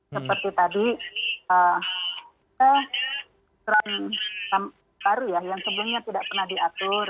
seperti tadi aturan baru ya yang sebelumnya tidak pernah diatur